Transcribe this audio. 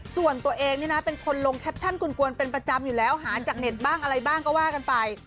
ส่วนตัวเองนี่นะเป็นคนลงแคปชั่นกลวนเป็นประจำอยู่แล้วหารจากเน็ตบ้างอะไรบ้างก็ว่ากันไป